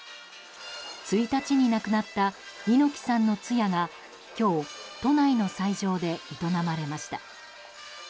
１日に亡くなった猪木さんの通夜が今日、都内の斎場で営まれました。